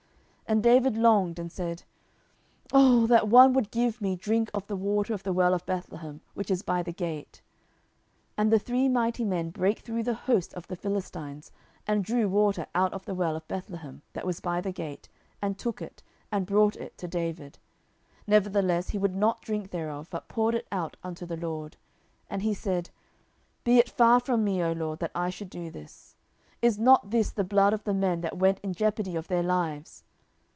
10:023:015 And David longed, and said, Oh that one would give me drink of the water of the well of Bethlehem, which is by the gate! 10:023:016 And the three mighty men brake through the host of the Philistines, and drew water out of the well of Bethlehem, that was by the gate, and took it, and brought it to David: nevertheless he would not drink thereof, but poured it out unto the LORD. 10:023:017 And he said, Be it far from me, O LORD, that I should do this: is not this the blood of the men that went in jeopardy of their lives?